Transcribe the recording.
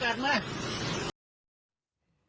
คุณผู้หญิงเสื้อสีขาวเจ้าของรถที่ถูกชน